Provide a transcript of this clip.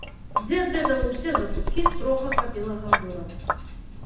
Дзед ведаў усе закуткі строгага белага мура.